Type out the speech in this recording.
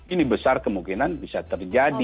ini besar kemungkinan bisa terjadi